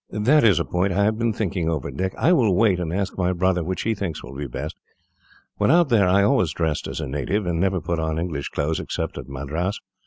"That is a point that I have been thinking over, Dick. I will wait, and ask my brother which he thinks will be the best. When out there I always dressed as a native, and never put on English clothes, except at Madras.